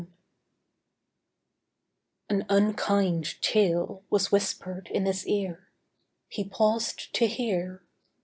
EFFECT An unkind tale was whispered in his ear. He paused to hear.